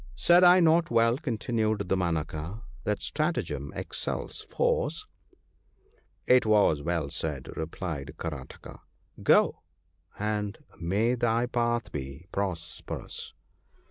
' Said I not well,' continued Damanaka, * that stratagem excels force ?' 'It was well said/ replied Karataka : 'go! and may thy path be prosperous